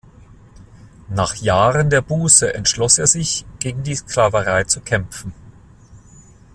Nach Jahren der Buße entschloss er sich, gegen die Sklaverei zu kämpfen.